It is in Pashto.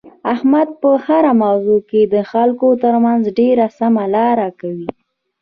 احمد په هره موضوع کې د خلکو ترمنځ ډېره سمه لاره کوي.